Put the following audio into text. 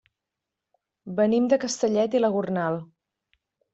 Venim de Castellet i la Gornal.